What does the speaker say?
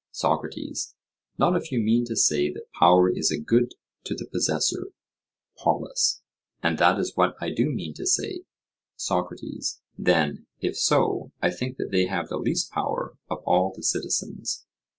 SOCRATES: Not if you mean to say that power is a good to the possessor. POLUS: And that is what I do mean to say. SOCRATES: Then, if so, I think that they have the least power of all the citizens.